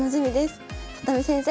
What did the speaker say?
里見先生